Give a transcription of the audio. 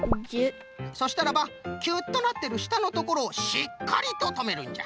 そしたらばキュッとなってるしたのところをしっかりととめるんじゃ。